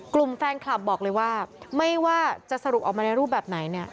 กลุ่มแฟนคลับบอกเลยว่าไม่ว่าจะสรุปออกมาในรูปแบบไหนเนี่ย